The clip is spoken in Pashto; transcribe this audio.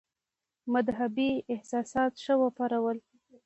مدهبي احساسات ښه وپارول.